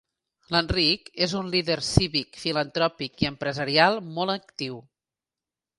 L'Enric, és un líder cívic, filantròpic i empresarial molt actiu.